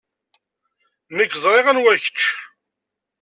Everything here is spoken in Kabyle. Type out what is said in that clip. Nekk ẓriɣ anwa kečč.